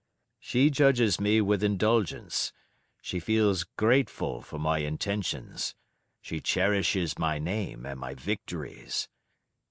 She judges me with indulgence; she feels grateful for my intentions; she cherishes my name and my victories.